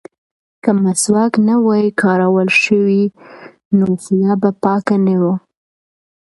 که مسواک نه وای کارول شوی نو خوله به پاکه نه وه.